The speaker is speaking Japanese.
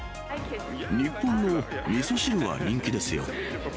日本のみそ汁は人気ですよ。